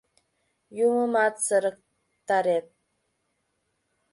— Юмымат сырыктарет.